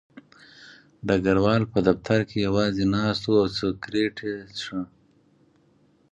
ډګروال په دفتر کې یوازې ناست و او سګرټ یې څښه